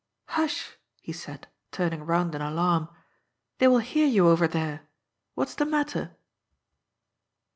" Hush," he said, turning round in alarm. " They will hear you over there. What's the matter